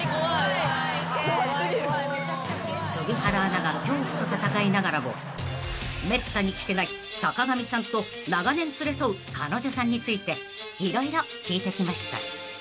［杉原アナが恐怖と闘いながらもめったに聞けない坂上さんと長年連れ添う彼女さんについて色々聞いてきました］